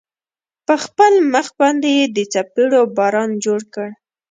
په خپل مخ باندې يې د څپېړو باران جوړ كړ.